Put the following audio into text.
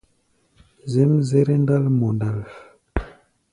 Zɛ́mzɛ́rɛ́ ndál mɔ ndǎl.